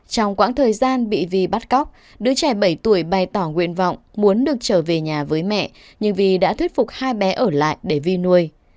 trong quãng thời gian bị vi bắt cóc đứa trẻ bảy tuổi bày tỏ nguyện vọng muốn được trở về nhà với mẹ nhưng vi đã thuyết phục hai bé ở lại để vi nuôi